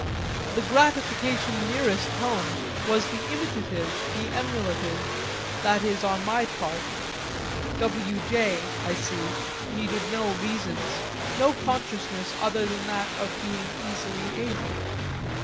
The gratification nearest home was the imitative, the emulative that is on my part: W. J., I see, needed no reasons, no consciousness other than that of being easily able.